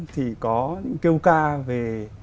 thì có kêu ca về